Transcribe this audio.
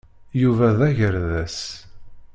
Yuba d agerdes.